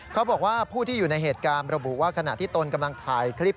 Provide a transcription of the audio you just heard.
เขาบอกว่าผู้ที่อยู่ในเหตุการณ์ระบุว่าขณะที่ตนกำลังถ่ายคลิป